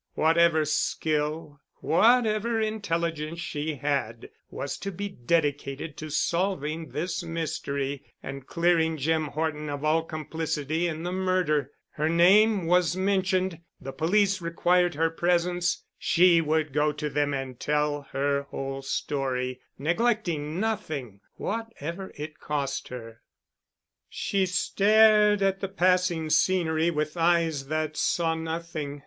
Whatever skill, whatever intelligence she had, was to be dedicated to solving this mystery, and clearing Jim Horton of all complicity in the murder. Her name was mentioned. The police required her presence. She would go to them and tell her whole story, neglecting nothing, whatever it cost her. She stared at the passing scenery with eyes that saw nothing.